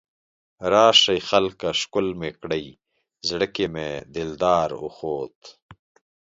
راشئ خلکه ښکل مې کړئ، زړه کې مې دلدار اوخوت